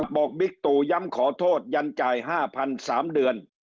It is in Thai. บอกบิ๊กตูย้ำขอโทษยันจ่าย๕๐๐๐บาท๓เดือน